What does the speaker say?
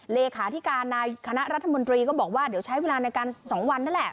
เลขาธิการในคณะรัฐมนตรีก็บอกว่าเดี๋ยวใช้เวลาในการ๒วันนั่นแหละ